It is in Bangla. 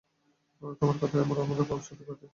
তোমার কথায়ই আমরা আমাদের উপাস্যদের পরিত্যাগ করার নই।